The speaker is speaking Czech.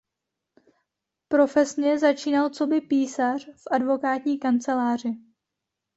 Profesně začínal coby písař v advokátní kanceláři.